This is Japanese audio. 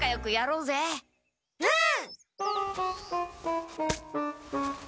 うん！